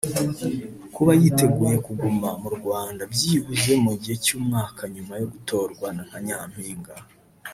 Kuba yiteguye kuguma mu Rwanda byibuze mu gihe cy’umwaka nyuma yo gutorwa nka Nyampinga